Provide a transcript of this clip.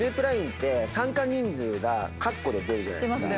ＬＩＮＥって参加人数がかっこで出るじゃないですか。